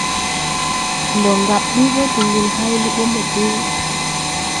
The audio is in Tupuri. Ndo ŋgab ɗuu mbo de ŋgel háyle mbo ge ?